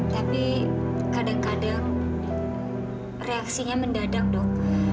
tapi kadang kadang reaksinya mendadak dok